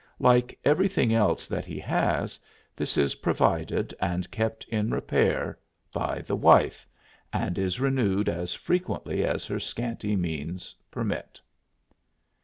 Like everything else that he has, this is provided and kept in repair by the wife, and is renewed as frequently as her scanty means permit.